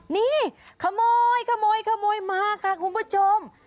นี่ขโมยขโมยมาค่ะคุณผู้ชม